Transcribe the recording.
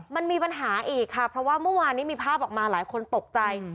มันมีปัญหาอีกค่ะเพราะว่าเมื่อวานนี้มีภาพออกมาหลายคนตกใจ